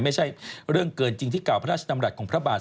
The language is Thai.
ไม่ใช่เรื่องเกินจริงที่กล่าวพระราชดำรัฐของพระบาท